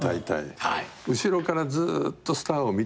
後ろからずっとスターを見てたっていう。